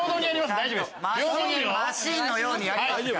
マシンのようにやりますから。